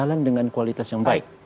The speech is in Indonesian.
jalan dengan kualitas yang baik